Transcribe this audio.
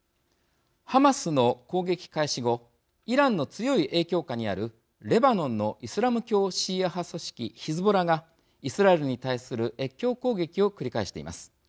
ハマスの攻撃開始後イランの強い影響下にあるレバノンのイスラム教シーア派組織ヒズボラがイスラエルに対する越境攻撃を繰り返しています。